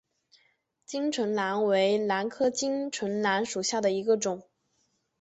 巾唇兰为兰科巾唇兰属下的一个种。